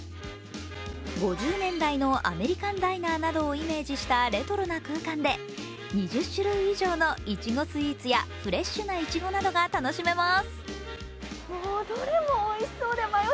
５０年代のアメリカン・ダイナーなどをイメージしたレトロな空間で２０種類以上のいちごスイーツやフレッシュないちごなどが楽しめます。